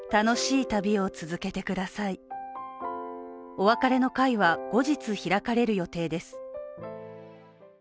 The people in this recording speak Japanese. お別れの会は後日開かれる予定です。